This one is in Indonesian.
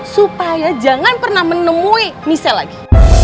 supaya jangan pernah menemui misal lagi